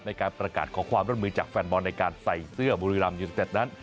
ในการประกาศขอความร่วมมือจากแฟนบอลในการใส่เสื้อบุรีรัมยูนิเต็ดนั้น